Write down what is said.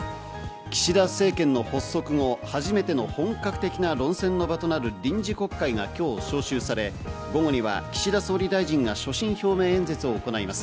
岸田政権の発足後、初めての本格的な論戦の場となる臨時国会が今日召集され、午後には岸田総理大臣が所信表明演説を行います。